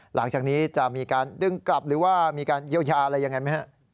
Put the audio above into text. หลังจากนี้จะมีการดึงกลับหรือว่ามีการเยียวยาอะไรยังไงไหมฮะ